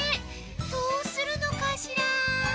どうするのかしら？